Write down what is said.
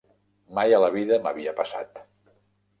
Mai a la vida m'havia passat.